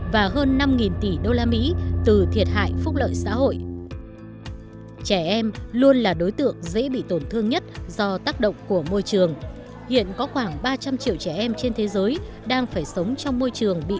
và hơn năm tỷ đô la mỹ từ thiệt hại của người lao động